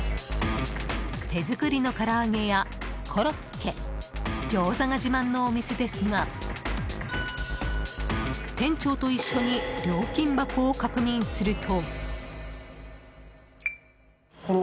手作りのから揚げやコロッケギョーザが自慢のお店ですが店長と一緒に料金箱を確認すると。